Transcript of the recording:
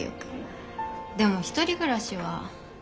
でも１人暮らしは。